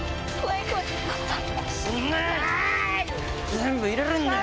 全部入れるんだよ！